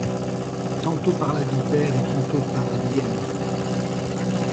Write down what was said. Tantôt par la vipère et tantôt par l'hyène